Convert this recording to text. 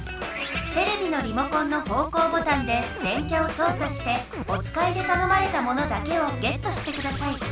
テレビのリモコンの方向ボタンで電キャをそうさしておつかいでたのまれたものだけをゲットしてください。